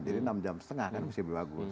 jadi enam jam setengah kan bisa lebih bagus